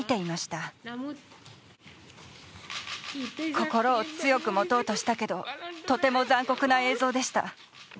心を強く持とうとしたけど、とても残酷な映像でした。